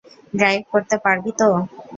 Drive করতে পারবি তো?